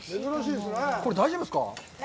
これ、大丈夫ですか？